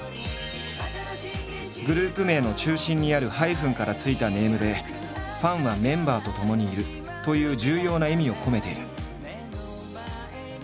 グループ名の中心にあるハイフンから付いたネームで「ファンはメンバーとともにいる」という重要な意味を込めている。